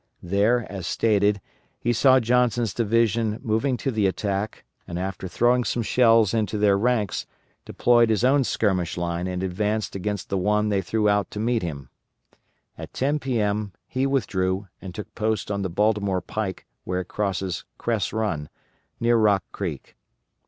There, as stated, he saw Johnson's division moving to the attack and after throwing some shells into their ranks deployed his own skirmish line and advanced against the one they threw out to meet him. At 10 P.M. he withdrew and took post on the Baltimore pike where it crosses Cress Run, near Rock Creek.